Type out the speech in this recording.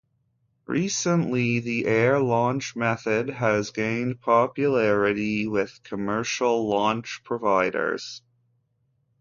Recently, the air launch method has gained popularity with commercial launch providers.